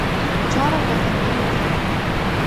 Чарак аҟынгьы иҟан.